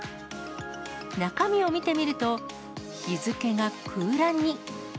中身を見てみると、日付が空欄に。